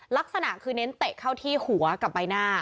ลักษณะคือเน้นเตะเข้าที่หัวกับใบหน้า